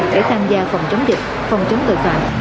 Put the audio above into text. để tham gia phòng chống dịch phòng chống tội phạm